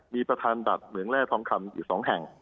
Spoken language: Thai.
มีประธานบัตรเหมืองแร่ทองคำอยู่๒แห่ง